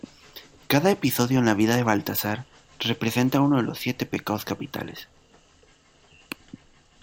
Cada episodio en la vida de Baltasar representa uno de los siete pecados capitales.